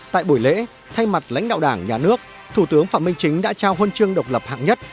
tại buổi lễ thay mặt lãnh đạo đảng nhà nước thủ tướng phạm minh chính đã trao huân chương độc lập hạng nhất